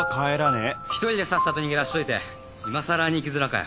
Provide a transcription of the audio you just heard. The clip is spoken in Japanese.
１人でさっさと逃げ出しといていまさら兄貴面かよ。